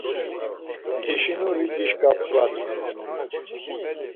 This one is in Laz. Ǩişinuri dişka p̌ǩvatum.